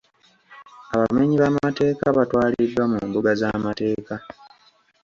Abamenyi b'amateeka batwaliddwa mu mbuga z'amateeka